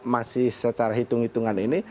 masih secara hitung hitungan ini